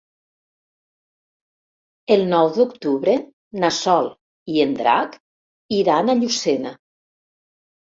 El nou d'octubre na Sol i en Drac iran a Llucena.